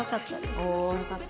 おおーよかった。